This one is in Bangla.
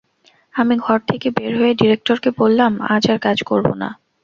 আমি ঘর থেকে বের হয়ে ডিরেক্টরকে বললাম, আজ আর কাজ করব না।